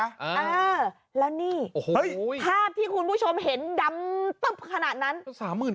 เออแล้วนี่โอ้โหภาพที่คุณผู้ชมเห็นดำตึ๊บขนาดนั้น